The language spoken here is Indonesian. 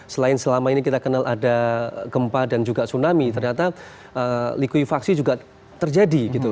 selain selama ini kita kenal ada gempa dan juga tsunami ternyata likuifaksi juga terjadi gitu